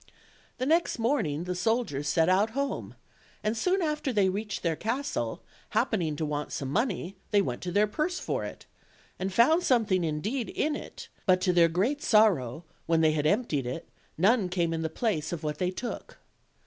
The next morning the soldiers set out home, and soon after they reached their castle, happening to want some money, they went to their purse for it, and found some thing indeed in it; but to their great sorrow, when they had emptied it, none came in the place of what they took.